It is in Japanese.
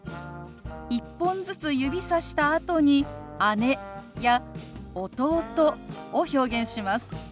１本ずつ指さしたあとに「姉」や「弟」を表現します。